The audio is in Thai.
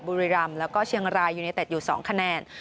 บุรีรำแล้วก็เชียงรายยูเนเต็ดอยู่๒คะแนน